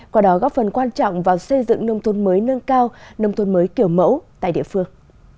qua đó góp phần quan trọng vào xây dựng nông thôn mới nâng cao nông thôn mới kiểu mẫu tại địa phương